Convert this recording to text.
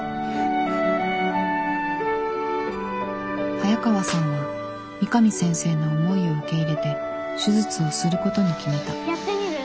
早川さんは三上先生の思いを受け入れて手術をすることに決めたやってみる？